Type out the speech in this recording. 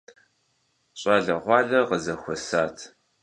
ЩӀалэгъуалэр къызэхуэсат.